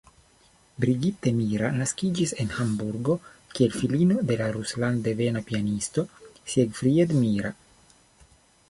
Brigitte Mira naskiĝis en Hamburgo, kiel filino de la rusland-devena pianisto Siegfried Mira.